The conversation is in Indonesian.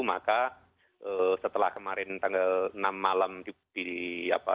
maka setelah kemarin tanggal enam malam diberikan